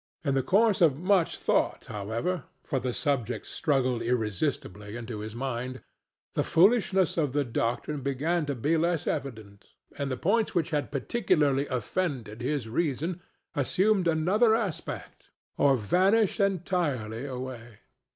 In the course of much thought, however—for the subject struggled irresistibly into his mind—the foolishness of the doctrine began to be less evident, and the points which had particularly offended his reason assumed another aspect or vanished entirely away.